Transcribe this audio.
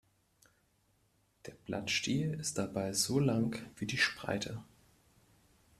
Der Blattstiel ist dabei so lang wie die Spreite.